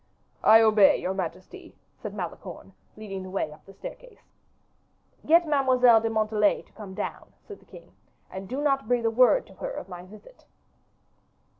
"I obey, your majesty," said Malicorne, leading the way up the staircase. "Get Mademoiselle de Montalais to come down," said the king, "and do not breathe a word to her of my visit."